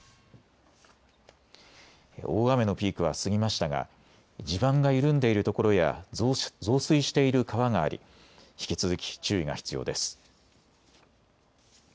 大雨のピークは過ぎましたが地盤が緩んでいるところや増水している川があり引き続き注意が必要です。